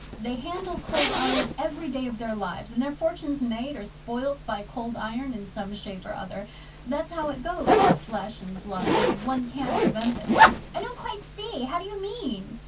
They handle Cold Iron every day of their lives, and their fortune's made or spoilt by Cold Iron in some shape or other. That's how it goes with Flesh and Blood, and one can't prevent it.' 'I don't quite see. How do you mean?